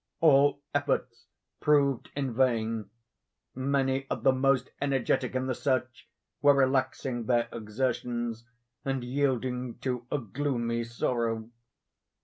All efforts proved in vain. Many of the most energetic in the search were relaxing their exertions, and yielding to a gloomy sorrow.